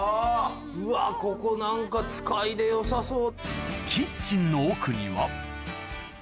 うわここ何か使いでよさそう。